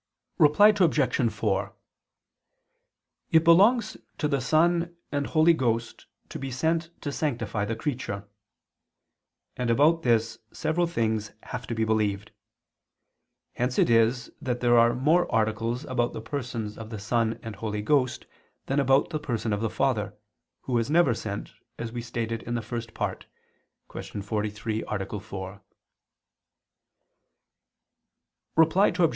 Reply Obj. 4: It belongs to the Son and Holy Ghost to be sent to sanctify the creature; and about this several things have to be believed. Hence it is that there are more articles about the Persons of the Son and Holy Ghost than about the Person of the Father, Who is never sent, as we stated in the First Part (Q. 43, A. 4). Reply Obj.